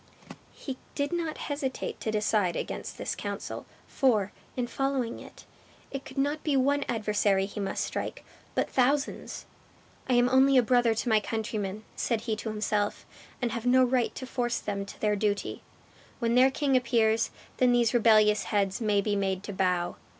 He did not hesitate to decide against this counsel, for, in following it, it could not be one adversary he must strike, but thousands. "I am only a brother to my countrymen," said he to himself, "and have no right to force them to their duty. When their king appears, then these rebellious heads may be made to bow."